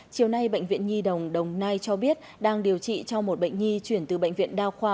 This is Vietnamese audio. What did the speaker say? chiều nay bệnh viện nhi đồng đồng nai cho biết đang điều trị cho một bệnh nhi chuyển từ bệnh viện đa khoa